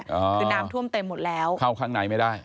คือน้ำท่วมเต็มหมดแล้วเข้าข้างในไม่ได้